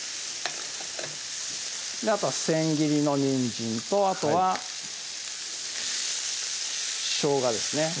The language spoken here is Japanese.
あとは千切りのにんじんとあとはしょうがですね